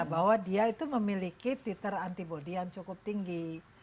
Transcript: bahwa dia itu memiliki titer antibody yang cukup tinggi